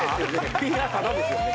ピーラータダですよね